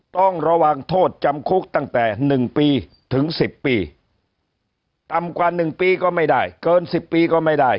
ต้องระวังโทษจำคุกตั้งแต่๑ปีถึง๑๐ปีต่ำกว่า๑ปีก็ไม่ได้เกิน๑๐ปีก็ไม่ได้